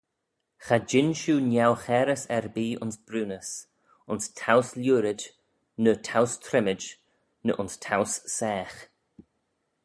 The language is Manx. Cha jean shiu neu-chairys erbee ayns briwnys, ayns towse-lhiurid, ny towse-trimmid, ny ayns towse-saagh.